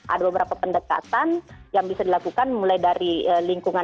ada beberapa pendekatan yang bisa dilakukan mulai dari lingkungan